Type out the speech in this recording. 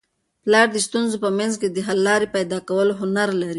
پلار د ستونزو په منځ کي د حل لاري پیدا کولو هنر لري.